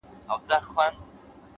د سترگو سرو لمبو ته دا پتنگ در اچوم ـ